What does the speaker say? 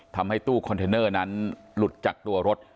ทำให้ตู้คอนเทนเนอร์นั้นหลุดจากตัวรถ